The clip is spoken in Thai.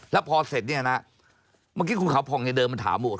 แล้วพอเสร็จมันกินคุณขาวพองในเดิมมันถามหมด